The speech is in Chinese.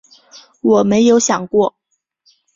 我没有想过